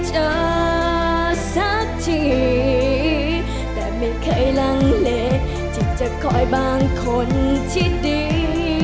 เธอสักทีแต่ไม่เคยลังเลที่จะคอยบางคนที่ดี